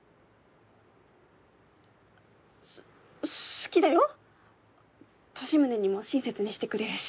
好きだよ利宗にも親切にしてくれるし。